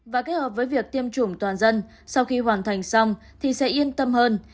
và kết hợp với việc tiêm chủng toàn dân sau khi hoàn thành xong thì sẽ yên tâm hơn